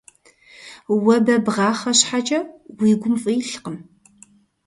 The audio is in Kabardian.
Уэ бэ бгъахъэ щхьэкӀэ, уи гум фӀы илъкъым.